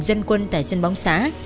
dân quân tại sân bóng xá